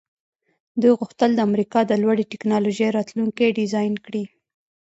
دوی غوښتل د امریکا د لوړې ټیکنالوژۍ راتلونکی ډیزاین کړي